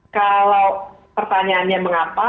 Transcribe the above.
kalau pertanyaannya mengapa